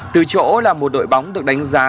từ chỗ là một đội bóng được đánh giá